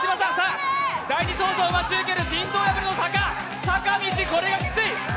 第２走者を待ち受ける心臓破りの坂坂道、これがきつい。